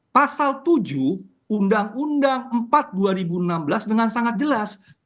pasal tujuh undang undang empat dua ribu enam belas dengan sangat jelas